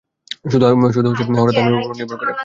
শুধু আমার হঠাত আবির্ভাবের উপর নির্ভর কোরো।